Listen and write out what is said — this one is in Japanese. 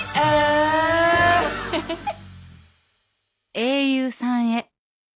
「英雄さんへ」